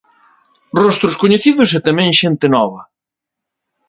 Rostros coñecidos e tamén xente nova.